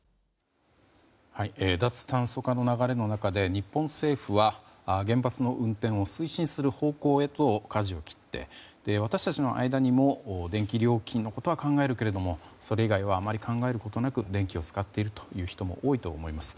脱炭素化の流れの中で日本政府は原発の運転を推進する方向へとかじを切って、私たちの間にも電気料金のことは考えるけどもそれ以外はあまり考えることなく電気を使っているという人も多いと思います。